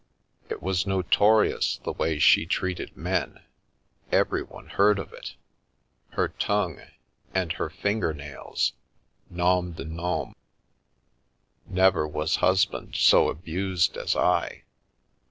It was noto rious the way she treated men ! Everyone heard of it ! Her tongue! And her finger nails! Nom d'un nom! Never was husband so abused as I